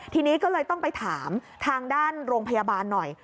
ทีนี้ก็เลยต้องไปถามทางด้านโรงพยาบาลหน่อย